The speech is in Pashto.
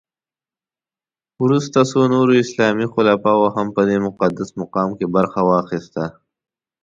وروسته څو نورو اسلامي خلفاوو هم په دې مقدس مقام کې برخه واخیسته.